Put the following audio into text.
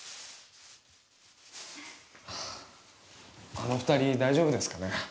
あの二人大丈夫ですかね？